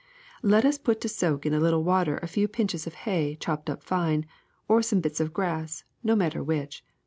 Let us put to soak in a little water a few pinches of hay chopped up fine, or some bits of grass, no matter which.